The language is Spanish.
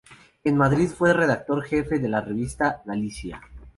En Madrid fue redactor jefe de la revista "Galicia.